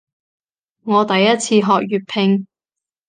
我第一次學粵拼